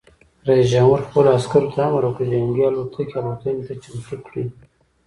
رئیس جمهور خپلو عسکرو ته امر وکړ؛ جنګي الوتکې الوتنې ته چمتو کړئ!